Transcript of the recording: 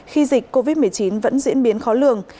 khi dịch covid một mươi chín vẫn diễn biến khó lường